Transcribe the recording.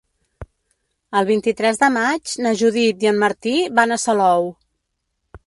El vint-i-tres de maig na Judit i en Martí van a Salou.